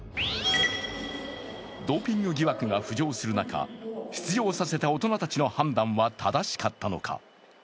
ドーピング疑惑が浮上する中出場させた大人たちの判断は正しかったのか。